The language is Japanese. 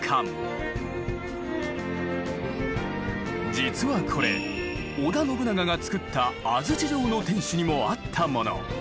実はこれ織田信長が造った安土城の天主にもあったもの。